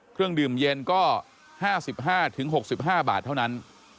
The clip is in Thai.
เครื่องดื่มเย็นก็๕๕๖๕บาทเท่านั้น